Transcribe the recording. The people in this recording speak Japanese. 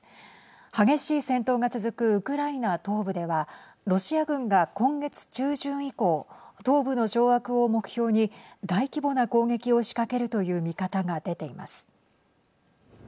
激しい戦闘が続くウクライナ東部ではロシア軍が今月中旬以降東部の掌握を目標に大規模な攻撃を仕掛けるという見方が出ています。